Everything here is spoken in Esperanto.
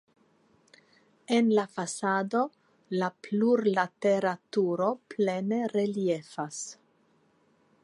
En la fasado la plurlatera turo plene reliefas.